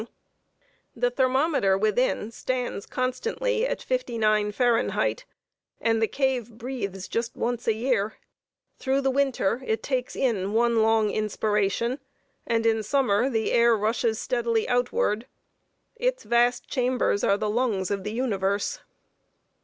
[Sidenote: THE MAMMOTH CAVE. LUNG COMPLAINTS.] The thermometer within stands constantly at fifty nine Fahrenheit; and the cave "breathes just once a year." Through the winter it takes one long inspiration, and in summer the air rushes steadily outward. Its vast chambers are the lungs of the universe.